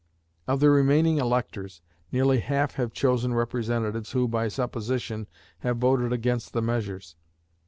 Of the remaining electors, nearly half have chosen representatives who, by supposition, have voted against the measures.